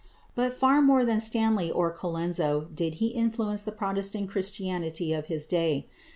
But far more than Stanley or Colenso did he influence the Protestant Christianity of his day.